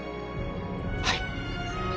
はい。